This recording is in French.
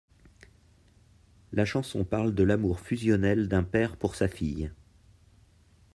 La chanson parle de l'amour fusionnel d'un père pour sa fille.